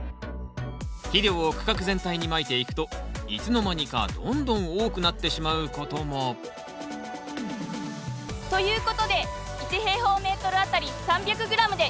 肥料を区画全体にまいていくといつの間にかどんどん多くなってしまうこともということで１あたり３００ｇでやってみます。